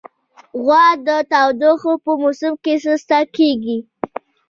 غوا د تودوخې په موسم کې سسته کېږي.